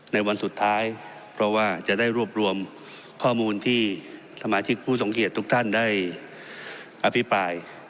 ในวันสุดท้ายเพราะว่าจะได้รวบรวมข้อมูลที่สมาชิกผู้ทรงเกียจทุกท่านได้อภิปราย